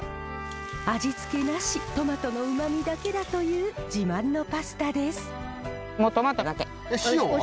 味付けなしトマトのうまみだけだという自慢のパスタです。